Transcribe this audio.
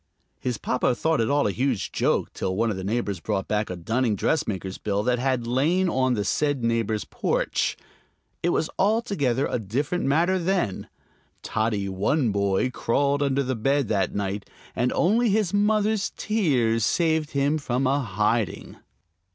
His papa thought it all a huge joke till one of the neighbors brought back a dunning dressmaker's bill that had lain on the said neighbor's porch. It was altogether a different matter then. Toddy One Boy crawled under the bed that night, and only his mother's tears saved him from a hiding.